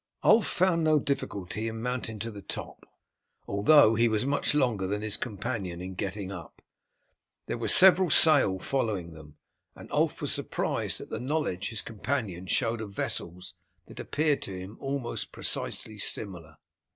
Ulf found no difficulty in mounting to the top, although he was much longer than his companion in getting up. There were several sail following them, and Ulf was surprised at the knowledge his companion showed of vessels that appeared to him almost precisely similar.